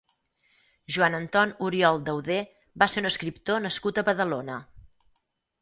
Joan Anton Oriol Dauder va ser un escriptor nascut a Badalona.